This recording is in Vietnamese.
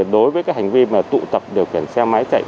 đối với hành vi tụ tập điều khiển xe máy chạy